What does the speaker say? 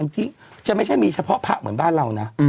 ที่จะไม่ใช่มีเฉพาะพระเหมือนบ้านเรานะ